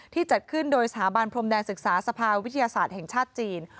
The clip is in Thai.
จัดขึ้นโดยสถาบันพรมแดนศึกษาสภาวิทยาศาสตร์แห่งชาติจีน